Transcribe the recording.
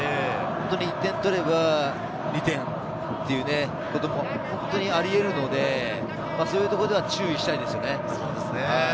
１点取れば２点ということもあり得るので、そういうところで注意したいですよね。